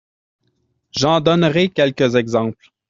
J’en donnerai quelques exemples.